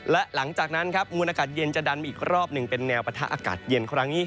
และหลังจากนั้นครับมูลอากาศเย็นจะดันมาอีกรอบหนึ่งเป็นแนวปะทะอากาศเย็นครั้งนี้